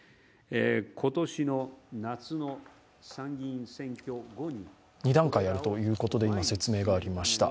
今年の夏の参議院選挙後に２段階あるということで説明がありました。